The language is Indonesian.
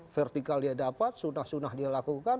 vertical dia dapat sunah sunah dia lakukan